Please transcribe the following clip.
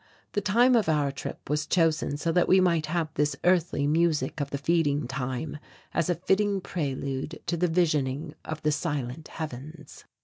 The time of our trip was chosen so that we might have this earthly music of the feeding time as a fitting prelude to the visioning of the silent heavens.